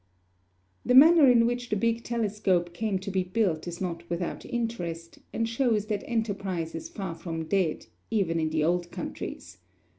The manner in which the big telescope came to be built is not without interest, and shows that enterprise is far from dead, even in the old countries.